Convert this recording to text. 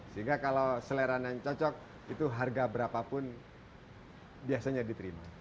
sehingga kalau selera yang cocok itu harga berapa pun biasanya diterima